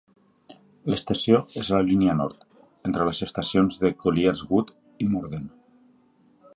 L'estació és a la línia nord, entre les estacions de Colliers Wood i Morden.